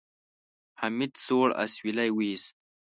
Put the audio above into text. حميد سوړ اسويلی وېست.